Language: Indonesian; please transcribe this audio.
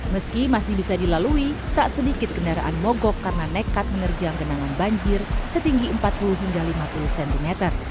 meski masih bisa dilalui tak sedikit kendaraan mogok karena nekat menerjang genangan banjir setinggi empat puluh hingga lima puluh cm